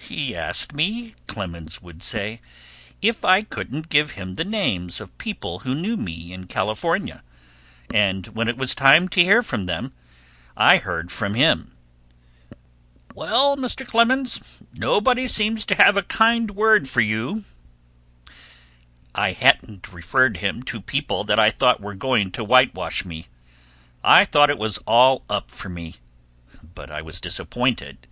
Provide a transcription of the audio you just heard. "He asked me," Clemens would say, "if I couldn't give him the names of people who knew me in California, and when it was time to hear from them I heard from him. 'Well, Mr. Clemens,' he said, 'nobody seems to have a very good word for you.' I hadn't referred him to people that I thought were going to whitewash me. I thought it was all up with me, but I was disappointed.